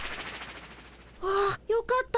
あっよかった！